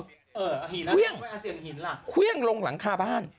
เออเอาหินเอาเสียงหินล่ะเครื่องลงหลังคาบ้าน